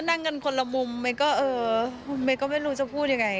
นั่งกันคนละมุมเมย์ก็เออเมย์ก็ไม่รู้จะพูดยังไง